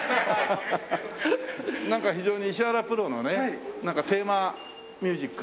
なんか非常に石原プロのねテーマミュージック